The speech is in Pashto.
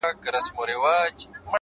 کال ته به مرمه-